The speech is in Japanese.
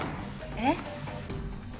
えっ？